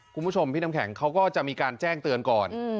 คุณผู้ชมพี่น้ำแข็งเขาก็จะมีการแจ้งเตือนก่อน